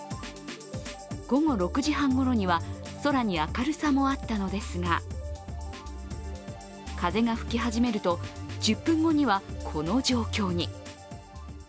午後６時半ごろには空に明るさもあったのですが風が吹き始めると１０分後にはこの状況に。